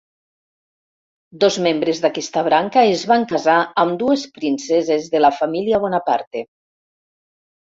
Dos membres d'aquesta branca es van casar amb dues princeses de la família Bonaparte.